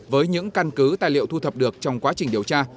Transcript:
với những căn cứ tài liệu thu thập được trong quá trình điều tra